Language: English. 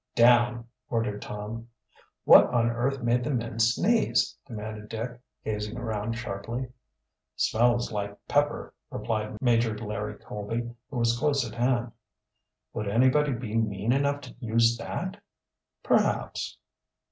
"Down!" ordered Tom. "What on earth made the men sneeze?" demanded Dick, gazing around sharply. "Smells like pepper," replied Major Larry Colby, who was close at hand. "Would anybody be mean enough to use that?" "Perhaps."